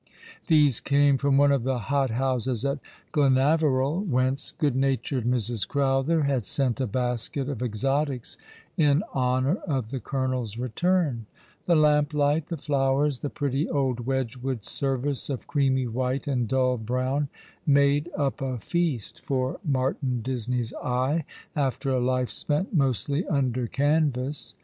These came from one of the hothouses at Glenaveril, whence "A Love still burning iipzvard!^ 79 good natured Mrs. Crowtlier had sent a basket of exotics iu honour of the colonel's return. The lamplight, the flowers, the pretty old Wedgwood service of creamy white and dull brown, made up a feast for Martin Disney's eye, after a life spent mostly under canvas.